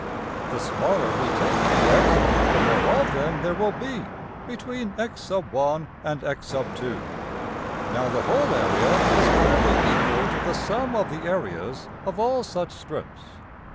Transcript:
The smaller we take~$dx$, the more of them there will be between $x_1$ and~$x_2$. Now, the whole area is clearly equal to the sum of the areas of all such strips.